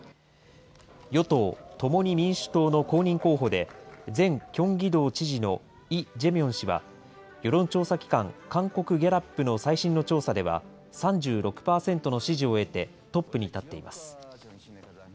与党・共に民主党の公認候補で、前キョンギ道知事のイ・ジェミョン氏は世論調査機関、韓国ギャラップの最新の調査では、３６％の支持を得てトップに立っています。